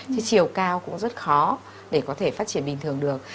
thì chiều cao cũng rất khó để có thể phát triển bình thường được